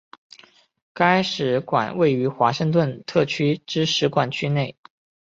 该使馆位于华盛顿特区之使馆区内。